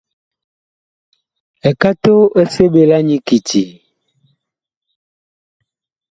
Ekato ɛ seɓe la nyi kiti ?